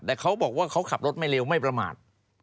แต่เขาบอกว่าเขาขับรถไม่เร็วไม่ประมาท